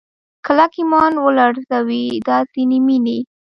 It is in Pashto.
کلک ایمان ولړزوي دا ځینې مینې